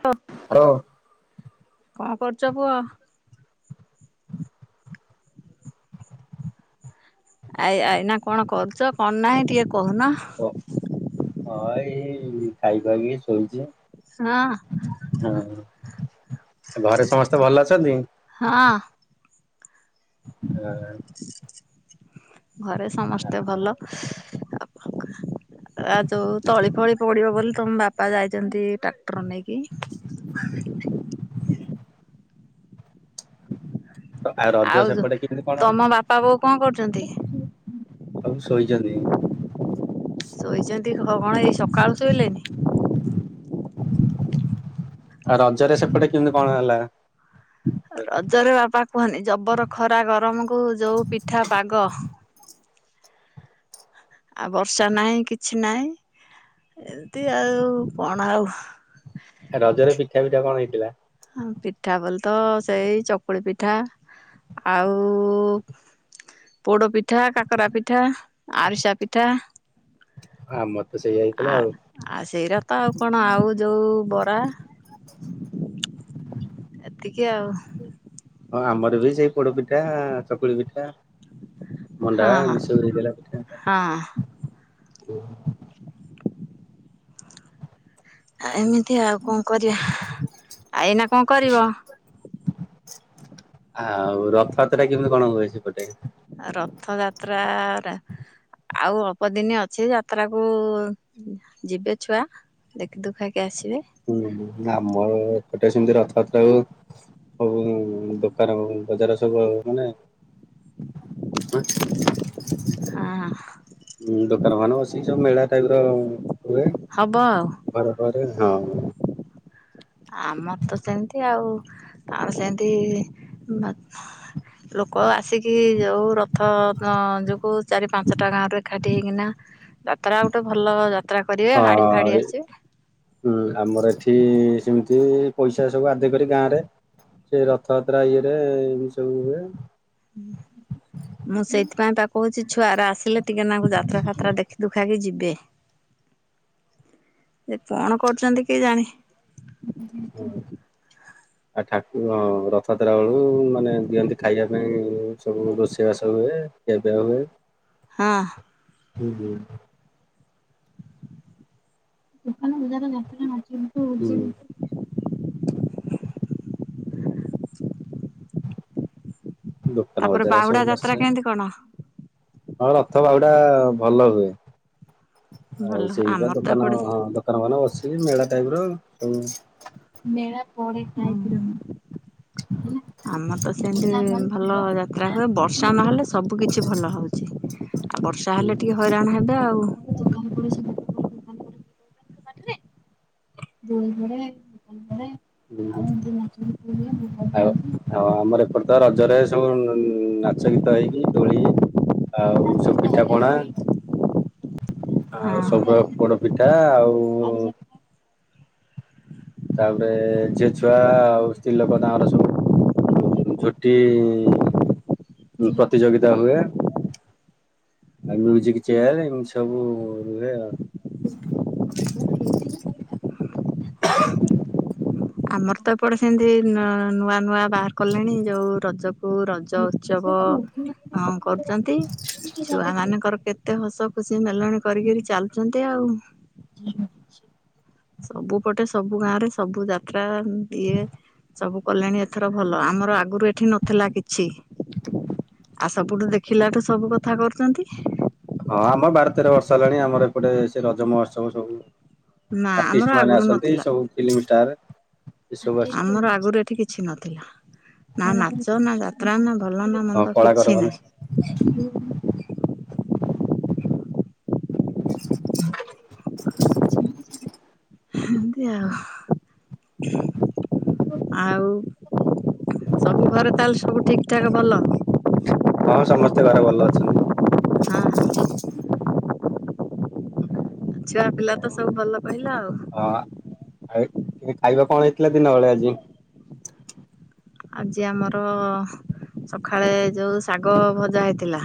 ହଁ ହଉ କଣ କରୁଛ, ପୁଅ? ଆ ଆଇନା କଣ କରୁଛ କଣ ନାହିଁ ଟିକେ କହୁନ। ହଁ ଏଇ ଖାଇକି ଆଇଲି ଶୋଇଛି। ହଁ ହୁଁ, ଘରେ ସମସ୍ତେ ଭଲ ଅଛନ୍ତି? ହଁ। ହୁଁ ଘରେ ସମସ୍ତେ ଭଲ। ଆପଣ? ଆଉ ଯୋଉ ତଳି ଫଳି ପଡିବ ବୋଲି ତମ ବାପା ଯାଇଛନ୍ତି ଟ୍ରାକ୍ଟର ନେଇକି। ଆଉ ରଜ ସେପଟେ କେମିତି କଣ? ତମ ବାପା ବୋଉ କଣ କରୁଛନ୍ତି? ସବୁ ଶୋଇଛନ୍ତି। ଶୋଇଛନ୍ତି କଣ ଏଇ ସକାଳୁ ଶୋଇଲେନି? ଆଉ ରଜରେ ସେପଟେ କେମିତି କଣ ହେଲା? ରଜରେ ବାପା କୁହନି ଜବର ଖରା ଗରମକୁ ଯୋଉ ପିଠା ପାଗ। ଆଉ ବର୍ଷା ନାହିଁ କିଛି ନାହିଁ। ଏମିତି ଆଉ କଣ ଆଉ? ରଜରେ ପିଠା ପିଠା କଣ ହେଇଥିଲା? ଆ ପିଠା ବୋଲି ତ ସେଇ ଚକୁଳି ପିଠା। ଆଉ ପୋଡ ପିଠା, କାକରା ପିଠା, ଆରିସା ପିଠା ଆମର ତ ସେଇଆ ହେଇଥିଲା ଆଉ। ଆଉ ସେଇରା ତ ଆଉ କଣ, ଆଉ ଯୋଉ ବରା। ଏତିକି ଆଉ। ହଁ ଆମର ବି ସେଇ ପୋଡ ପିଠା, ଚକୁଳି ପିଠା। ମଣ୍ଡା ହଁ ଏମିତି ସବୁ ହେଇଥିଲା ପିଠା। ହଁ। ହୁ [unintelligible] ଏମିତି ଆଉ କଣ କରିବା, ଆ ଏଇନା କଣ କରିବ? ଆଉ ରଥଯାତ୍ରା କେମିତି କଣ କୁହ ସେପଟେ? ଆ ରଥଯାତ୍ରା ଆଉ ଅଳ୍ପ ଦିନ ଅଛି, ଯାତ୍ରାକୁ ଯିବେ ଛୁଆ। ଦେଖି ଦୁଖାକି ଆସିବେ। ହୁଁ, ଆମର ଏପଟେ ସେମିତି ରଥଯାତ୍ରା ହଉ ସବୁ ଦୋକାନ ବଜାର ସବୁ ମାନେ [unintelligible] ହଁ। ହଁ, ଦୋକାନ ଫୋକାନ ବସିକି ସବୁ ମେଳା ଟାଇପ ର ହୁଏ। ହବ ଆଉ। ବରବର [unintelligible] ଆମର ତ ସେମତି ଆଉ ତର ସେମତି ଲୋ ଆସିକି ଯଉ ରଥ ଯୋଗୁ ଚାରି ପାଞ୍ଚଟା ଗାଁରେ ଏକାଠି ହେଇକିନା ଯାତ୍ରା ଗୋଟେ ଭଲ ଯାତ୍ରା କରିବେ ହାଡି ଫାଡି ହଁ ଆସିବେ। ହୁଁ ଆମର ଏଠି ସେମିତି ପଇସା ସବୁ ଆଦାୟ କରି ଗାଁ ରେ ସେ ରଥଯାତ୍ରା ଇଏରେ ଏମି ସବୁ ହୁଏ। ହୁଁ। ମୁଁ ସେଇଥିପାଇଁ ତା କହୁଛି ଛୁଆ ଗୁରା ଆସିଲେ ଟିକେ ନାଙ୍କୁ ଯାତ୍ରା ଫାତ୍ରା ଦେଖି ଦୁଖାକି ଯିବେ। ଏ କଣ କରୁଛନ୍ତି କି ଜାଣି। [unintelligible] [unintelligible] ଆଉ ଠାକୁ ହଁ ରଥାଯାତ୍ରା ବେଳୁ ମାନେ ଦିଅନ୍ତି ଖାଇବା ପାଇଁ ସବୁ ରୋଷେଇବାସ ହୁଏ। କେବେ ହୁଏ? ହଁ। ହୁଁ ହୁଁ। ଦୋକାନ ବଜାର [unintelligible] ଦୋକାନ ତାପରେ ବଜାର ସବୁ ବାହୁଡା ଯାତ୍ରା ବସେ କେମିତି କଣ? ହଁ ରଥ ବାହୁଡ଼ା ଟା ଭଲ ହୁଏ। ଭଲ ଆଉ ସେଇରା ଆମର ତ ଦୋକାନ ଏପଟେ ହଁ। [unintelligible] ବସି ମେଳା ଟାଇପ୍ ର ସବୁ ହୁଁ [inaudible] ଆମ ତ ସେମିତି ଭଲ ଯାତ୍ରା ହୁଏ ବର୍ଷା ନହେଲେ ସବୁ କିଛି ଭଲ ହଉଛି। ଆଉ ବର୍ଷା ହେଲେ ଟିକେ ହଇରାଣ ହେବେ ଆଉ। [unintelligible] [unintelligible] ଆଉ ଆଉ ଆମର ଏପଟେ ତ ରଜରେ ସବୁ ନା ନାଚ ଗୀତ ହେଇକି ଦୋଳି ଆଉ ସବୁ ପିଠା ପଣା ହଁ। ଆଉ ସବୁ ପୋଡ ପିଠା ଆଉ ତାପରେ ଝିଅ ଛୁଆ ଆଉ ସ୍ତ୍ରୀଲୋକ ତାଙ୍କର ସବୁ ଉଁ ଝୋଟି ଉ ପ୍ରତିଯୋଗିତା ହୁଏ। ଆଉ ମ୍ୟୁଜିକ ଚେୟାର ଏମତି ସବୁ ହୁଏ ଆଉ। [inaudible] [inaudible] ଆମର ତ ଏପଟେ ସେମତି ନୂଆ ନୂଆ ବାର୍ କଲେଣି ଯୋଉ ରଜକୁ ରଜ ଉତ୍ସବ ଅ କରୁଛନ୍ତି। ଛୁଆ ମାନଙ୍କର କେତେ ହସ ଖୁସି ମେଲଣ କରିକରି ଚାଲୁଛନ୍ତି ଆଉ। ହୁଁ। ସବୁପଟେ ସବୁ ଗାଁ ରେ ସବୁ ଯାତ୍ରା ଏମତି ଇଏ ସବୁ କଲେଣି ଏଥର ଭଲ, ଆମର ଆଗରୁ ଏଠି ନଥିଲା କିଛି। ଆ ସବୁଠୁ ଦେଖିଲାଠୁ ସବୁ କଥା କରୁଛନ୍ତି। ହଁ ଆମ ବାର ତେର ବର୍ଷ ହେଲାଣି ଆମର ଏପଟେ ସେ ରଜ ମହୋତ୍ସବ ସବୁ ନା ଆମର ଆଟିଷ୍ଟ ମାନେ ଆଗରୁ ଆସନ୍ତି ନଥିଲା। ସବୁ ଫିଲ୍ମ ଷ୍ଟାର୍। ଆମର ଆଗରୁ ଏଠି କିଛି ନଥିଲା। ନା ନାଚ ନା ଯାତ୍ରା ନା ଭଲ ନା ହଁ ମନ୍ଦ କଳାକାର କିଛି ନାହିଁ। [inaudible] [inaudible] ହେମତି ଆଉ। ଆଉ ସବୁ ଘରେ ତାହେଲେ ସବୁ ଠିକ୍। ଠାକ୍ ଭଲ। ହଁ ସମସ୍ତେ ଘରେ ଭଲ ଅଛନ୍ତି। ହଁ। ଛୁଆ ପିଲା ତ ସବୁ ଭଲ କହିଲ ଆଉ। ହଁ ଆଉ ଉଁ ଖାଇବା କଣ ହେଇଥିଲା ଦିନ ବେଳେ ଆଜି। ଆଜି ଆମର ସଖାଳେ ଯୋଉ ଶାଗ ଭଜା ହେଇଥିଲା।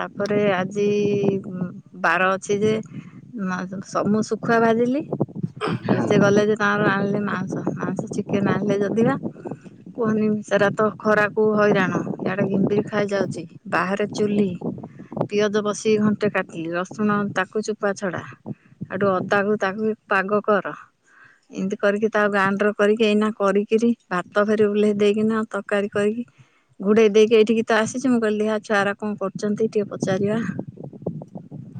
ତାପରେ ଆଜି ଉଁ ବାର ଅଛି ଯେ ମା [unintelligible] ସବୁ ଶୁଖୁଆ ଭାଜିଲି। ତାପରେ ସିଏ ଗଲେ ଯେ ତାଙ୍କର ଆଣିଲେ ମାଉଁସ ମାଉଁସ ଚିକେନ୍ ଆଣିଲେ ଯଦିି ବା କୁହନି ସେରା ତ ଖରାକୁ ହଇରାଣ ଇଆଡେ ଘିମରି ଖାଇଯାଉଚି। ବାହାରେ ଚୁଲି। ପିଆଜ ବସିକି ଘଣ୍ଟେ କାଟିଲି ରସୁଣ ତାକୁ ଚୋପା ଛଡା। ହେଉଠୁ ଅଦାକୁ ତାକୁ ବି ପାଗ କର। ଇନ୍ତି କରିକି ତାକୁ ଗାଆଁଣ୍ଡ୍ର କରିକି ଏଇନା କରିକିରି ଭାତ ଘରି [unintelligible] ଉହ୍ଲେଇ ଦେଇକିନା ତକାରୀ କରିକି ଘୁଡେଇ ଦେଇକି ଏଇଠିକି ତ ଆସିଛି ମୁଁ କହିଲି ଦେଖିଆ ଛୁଆ ଆରା କଁ କରୁଚନ୍ତି ଟିକେ ପଚାରିବା।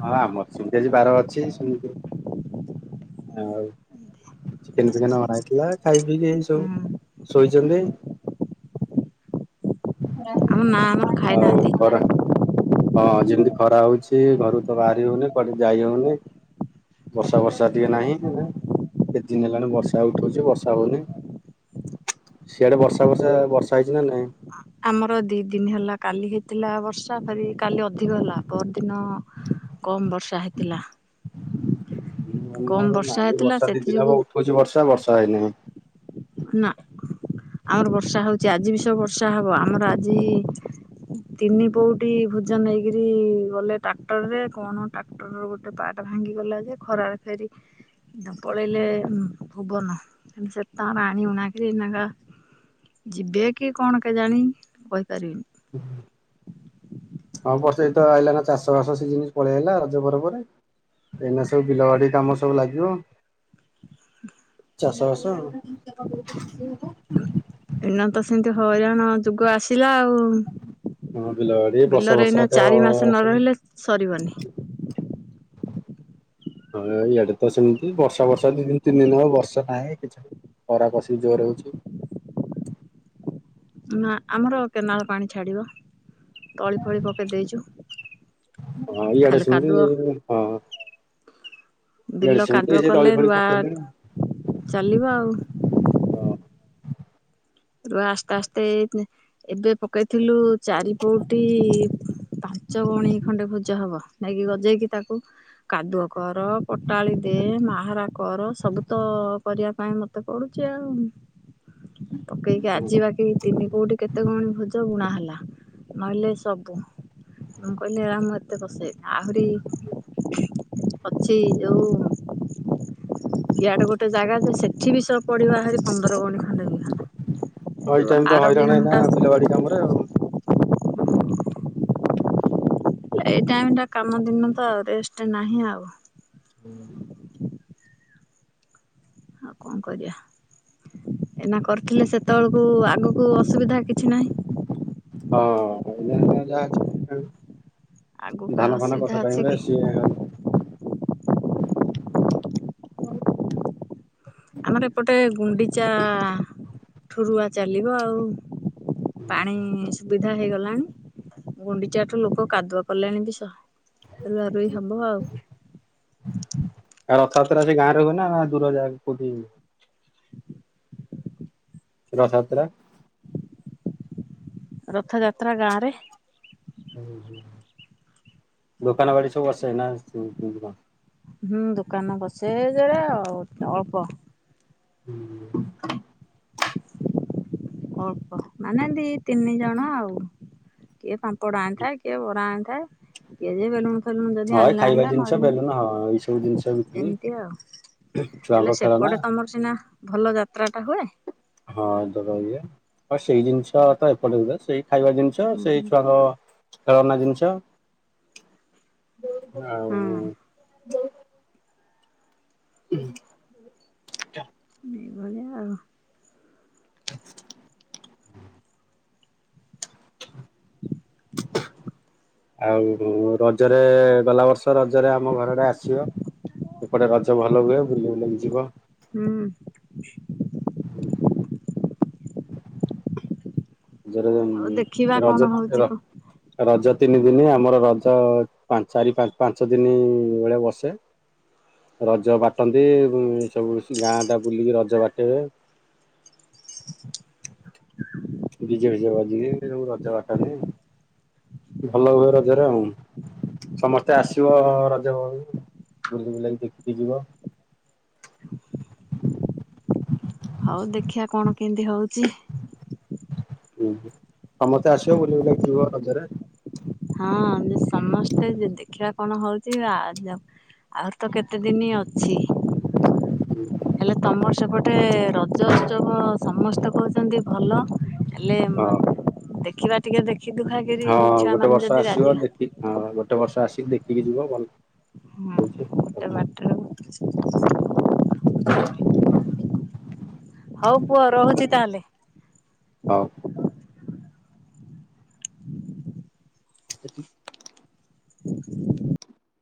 ହଁ ଆମର ସିମତି ଆଜି ବାର ଅଛି ସିମତି ଆଉ ଚିକେନ୍ ଫିକେନ୍ ଅଣା ହେଇଥିଲା ଖାଇ ପିଇକି ଏନ୍ତି ସବୁ ହୁଁ ଶୋଇଛନ୍ତି। ଆମ ନା ଆମର [unintelligible] ଆଉ ଖାଇନାହାନ୍ତି। ଖରା ହଁ ଯେମତି ଖରା ହଉଛି ଘରୁ ତ ବାହାରି ହଉନି କୁଆଡେ ଯାଇ ହଉନି। ବର୍ଷା ଫର୍ଷା ଟିକେ ନାହିଁ ଏଇନା। କେତେ ଦିନ ହେଲାଣି ବର୍ଷା ଉଠଉଚି ବର୍ଷା ହଉନି। ସିଆଡେ ବର୍ଷା ଫର୍ଷା ବର୍ଷା ହେଇଚି ନା ନାଇଁ। ଆମର ଦି ଦିନ ହେଲା କାଲି ହେଇଥିଲା ବର୍ଷା ଫେରି କାଲି ଅଧିକ ହେଲା ପଅରଦିନ କମ୍ ବର୍ଷା ହେଇଥିଲା। କମ୍ ଆମର ନାହିଁ ହେଇଥିଲା ବର୍ଷା ଦି ସେଥି ଦିନ ଯୋଗୁ ହବ ଉଠଉଚି ବର୍ଷା ବର୍ଷା ହେଇ ନାହିଁ। ନା ଆମର ବର୍ଷା ହଉଚି ଆଜି ବି ସବୁ ବର୍ଷ୍ ତା ହବ ଆମର ଆଜି ତିନି ପୋଉଟି ଭୋଜ ନେଇକରି ଗଲେ ଟ୍ରାକ୍ଟରରେ କଣ ଟାକ୍ [unintelligible] ଆଉ ଗୋଟେ ପାଟେ ଭାଙ୍ଗିଗଲା ଯେ ଖରାରେ ଫେରି ଦ ପଳେଇଲେ ଉଁ ଭୁବନ [unintelligible] ସେଠି ତାଙ୍କର ଆଣି ଉଣାକିରି [unintelligible] ଯିବେ କି କଣ କେଜାଣି କହିପାରିବିନି। [unintelligible] ହଁ ବଷେଇ ତ ଆଇଲା ନା ଚାଷ ବାସ ସିଜିନି ପଳେଇଆଇଲା ରଜ ପରେ ପରେ। ଏଇନା ସବୁ ବିଲ ବାଡି କାମ ସବୁ ଲାଗିବ। ଚାଷବାସ ଏଇନା ତ ସେମତି ହଇରାଣ ଯୁଗ ଆସିଲା ଆଉ। ହଁ ବିଲ ବାଡି ବର୍ଷା ବିଲରେ ବର୍ଷା ଏଇନା ତ ଚାରି ମାସେ ନ ଆସୁନି। ରହିଲେ ସରିବନି। ହଁ ଇଆଡେ ତ ସିମତି ବର୍ଷା ବର୍ଷା ଦିନ ତିନି ଦିନ ହବ ବର୍ଷା ନାହିଁ କିଛି ଖରା ବଶୀ ଜୋରେ ହଉଛି। ନା ଆମର କେନାଳ ପାଣି ଛାଡିବ। ତଳି ଫଳି ପକେ ଦେଇଛୁ, ହଁ ଇଆଡେ ଖାଲି ସେମିତି କାଦୁଅ। ହଁ ଇଆଡେ ବିଲ ସେମିତି କାଦୁଅ ସେ ତଳି କଲେ ଫଳି ରୁଆ ପକେଇଲେଣି ହଁ। ଚାଲିବ ଆଉ, ରୁଆ ଆସ୍ତା ଆସ୍ତେ ଏବେ ପକେଇଥିଲୁ ଚାରିପଉଟି ପାଞ୍ଚ ଗଉଣୀ ଖଣ୍ଡେ ଭୋଜ ହବ ନେଇକି ଗଜେଇକି ତାକୁ କାଦୁଅ କର, ପଟାଳି ଦେ, ମାହାରା କର, ସବୁ ତ କରିବା ପାଇଁ ମୋ [unintelligible] ପଢୁଛି ଆଉ। ପକେଇକି ଆଜିିବାକି ତିନି କୋଉଠି କେତେ ଗଉଣି ଭୋଜ ବୁଣା ହେଲା, ନହେଲେ ସବୁ ମୁଁ କହିଲି [unintelligible] ଆହୁରି, ଅଛି ଆଉ। ଇଆଡେ ଗୋଟେ ଜାଗା ଯେ, ସେଠି ବି ସ ପଡିବହାରି ପନ୍ଦର ଗଉଣୀ। [unintelligible] ଆଇଟା ବି ତ ହଇରାଣ ହଇଥାନ୍ତା ବିଲବାଡି କାମରେ ଆଉ। ଏଇ ଟାଇମ୍ ଟା କାମ ଦିନ ତ, ରେଷ୍ଟ ନାହିଁ ଆଉ। ହୁଁ [unintelligible] କଣ କରିବା। ଏନା କରିଥିଲେ ସେତେବେଳକୁ ଆଗକୁ ଅସୁବିଧା କିଛି ନାହିଁ। ହଁ। [unintelligible] ଆଗକୁ ଆଉ ଧାନ ଫାନ ଅସୁବିଧା କଟା ଅଛି ଟାଇମ କି ରେ ସିଏ ଆଉ ଆମର ଏପଟେ ଗୁଣ୍ଡିଚା ଠୁରୁଆ ଚାଲିବ ଆଉ। ପାଣି ସୁବିଧା ହେଇଗଲାଣି, ଗୁଣ୍ଡିଚାଠୁ ଲୋକ କାଦୁଅ କଲେଣି ବି ସହ ରୁଆ ରୁହି ହବ ଆଉ। ଆଉ ରଥଯାତ୍ରା ସେ ଗାଁ ରେ ହୁଏ ନାଁ, ଦୂର ଯାଗ କୋଉଠି। ଶୁଭ ରଥଯାତ୍ରା। ରଥଯାତ୍ରା ଗାଁ ରେ ହୁଁ ହୁଁ, ଦୋକାନବାଡି ସବୁ ବସେ ନାଁ କେମିତି କଣ? ହୁଁ ଦୋକାନ ବସେ ଯେ ଅ ଅଳ୍ପ। ହୁଁ। ଅଳ୍ପ ମାନେ ଦି ତିନି ଜଣ ଆଉ। କିଏ ପାମ୍ପଡ଼ ଆଣିଥାଏ, କିଏ ବରା ଆଣିଥାଏ, କିଏ ଯେ ବେଲୁନୁ। ହଁ ଏ ଖାଇବା ଜିନିଷ ବେଲୁନ ହଁ, ଏଇ ସବୁ ଜିନିଷ ବିକି ଏମିତି ଆଉ ଛୁଆ ହେଲେ ଙ୍କ ଖେଳନା। ସେପଟେ ତମର ସିନା ଭଲ ଯାତ୍ରାଟା ହୁଏ। ହଁ ଦବା ଇଏ ଆ ସେଇ ଜିନିଷ ତ ଏପଟେ ହୁଏ, ସେଇ ଖାଇବା ଜିନିଷ। ତ ହୁଁ ସେଇ ଛୁଆଙ୍କ ଖେଳନା ଜିନିଷ। ହୁଁ ଆଉ। ଉଁ ହୁଁ। ଏ ଭଳି ଆଉ ହ ଆଉ ରଜରେ ଗଲା ବର୍ଷ ରଜରେ ଆମ ଘର ଆଡେ ଆସିବ। ଏପଟେ ରଜ ଭଲ ହୁଏ, ବୁଲ ବା ଯିବ। ହୁଁ। ହୁଁ। ଜୋର ହଉ ଦେଖିବା ଉଁ କଣ ହଉଛି କ ରଜ ତିନି ଦିନେ ଆମର ରଜ ପାଞ୍ଚାରି ପା ପାଞ୍ଚ ଦିନ ବେଳେ ବସେ। ରଜ ବାଟନ୍ତି। ସବୁ ମିଶି ଗାଁ ଟା ବୁଲିକି ରଜ ବାଟିବେ। [unintelligible] [unintelligible] ଦିଜେ ଫିଜେ ବାଜିକି ସବୁ ରଜ ବାଟନ୍ତି। ଭଲ ହୁଏ ରଜରେ ଆଉ ସମସ୍ତେ ଆସିବ ରଜ ବେଳକୁ, ବୁଲି ବୁଲାକି ଦେଖିକି ଯିବ। ହଉ ଦେଖିବା କଣ କେମିତି ହଉଛି? ହୁଁ, ସମସ୍ତେ ଆସିବ ବୁଲି ବୁଲାକି ଯିବ ରଜରେ। ହଁ, ଆମେ ସମସ୍ତେ ଜେ ଦେଖିବା କଣ ହଉଛି ଆଉ, ଆହୁରି ତ କେତେ ଦିନ ଅଛି। ହୁଁ ହେଲେ ତମର ସେପଟେ ର ରଜ ଉତ୍ସବ ସମସ୍ତେ କହୁଛନ୍ତି ଭଲ, ହେଲେ ହଁ ଦେଖିବା ଟିକେ ଦେ ଦେଖି ଦୁଖା କିରି ହଁ ଛୁଆ ଗୋଟେ ମାନେ ବର୍ଷ ଆସିବ ଦେଖି ହଁ, ଗୋଟେ ବର୍ଷ ଆସିକି ଦେଖିକି ଯିବ। ଭଲ ହଁ, ହଉଛି। ଗୋଟେ ବାଟରେ [unintelligible] ହଉ ପୁଅ ରହୁଛି ତାହେଲେ। ହଉ [unintelligible]